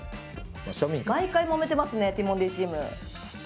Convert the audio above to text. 毎回もめてますねティモンディチーム。